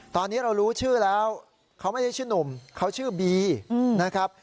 ตอนนี้เรารู้ชื่อแล้วเขาไม่ได้ชื่อหนุ่มเขาชื่อบีนะครับ